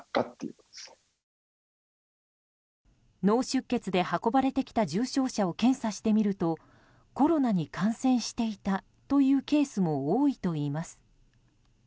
脳出血で運ばれてきた重症者を検査してみるとコロナに感染していたというケースも多いといいます。